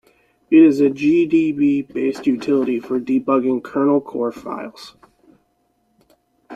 It is a gdb based utility for debugging kernel core files.